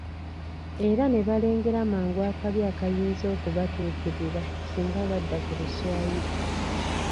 Era ne balengera mangu akabi akayinza okubatuukirira singa badda ku Luswayiri